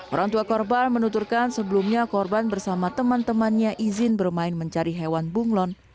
orang tua korban menuturkan sebelumnya korban bersama teman temannya izin bermain mencari hewan bunglon